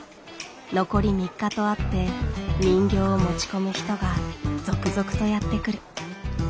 残り３日とあって人形を持ち込む人が続々とやって来る。